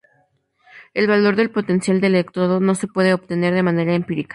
El valor del potencial de electrodo no se puede obtener de manera empírica.